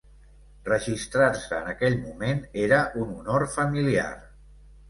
Registrar-se en aquell moment era un honor familiar.